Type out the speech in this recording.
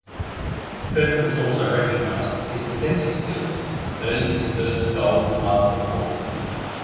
Kirby was also recognized for his defensive skills, earning his first Gold Glove Award.